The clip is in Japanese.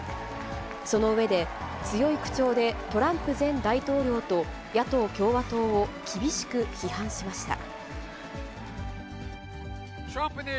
その上で、強い口調でトランプ前大統領と野党・共和党を厳しく批判しました。